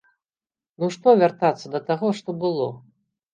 Ну што вяртацца да таго, што было?!